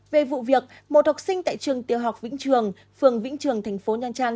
về vụ việc một học sinh tại trường tiểu học vĩnh trường phường vĩnh trường thành phố nha trang